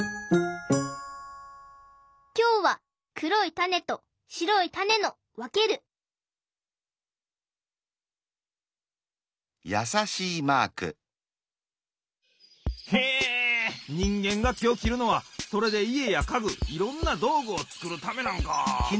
きょうは黒いタネと白いタネのわけるへえにんげんがきをきるのはそれでいえやかぐいろんなどうぐをつくるためなんか。